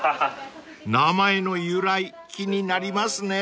［名前の由来気になりますね］